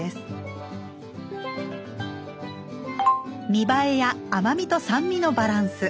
見栄えや甘みと酸味のバランス。